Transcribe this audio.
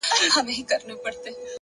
• ډکي پیمانې مي تشولې اوس یې نه لرم ,